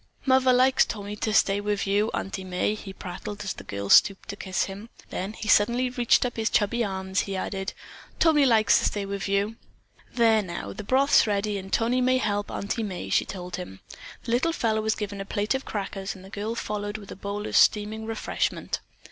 "Muvver likes Tony to stay wiv you, Auntie May," he prattled as the girl stooped to kiss him. Then, as he suddenly reached up his chubby arms, he added: "Tony likes to stay wiv you." "There, now, the broth's ready and Tony may help Auntie May," she told him. The little fellow was given a plate of crackers and the girl followed with a bowl of steaming refreshment.